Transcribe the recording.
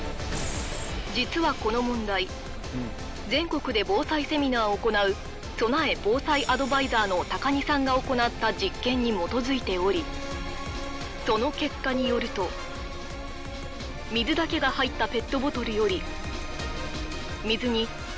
実はこの問題全国で防災セミナーを行う備え・防災アドバイザーの高荷さんが行った実験に基づいておりその結果によると水だけが入ったペットボトルより水に家庭にある「あるもの」を混ぜたペットボトルのほうが